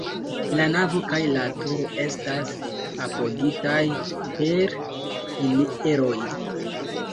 La navo kaj la turo estas apogitaj per pilieroj.